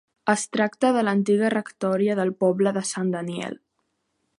Es tracta de l'antiga rectoria del poble de Sant Daniel.